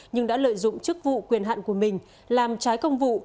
nhưng đã lợi dụng chức vụ quyền hạn của mình làm trái công vụ